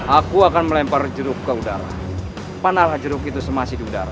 aku akan melempar jeruk ke udara panah jeruk itu semasi di udara